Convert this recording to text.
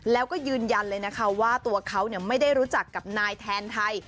แล้วก็ยืนยันเลยนะคะว่าตัวเขาไม่ได้รู้จักกับนายแทนไทย